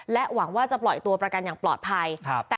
หวังว่าจะปล่อยตัวประกันอย่างปลอดภัย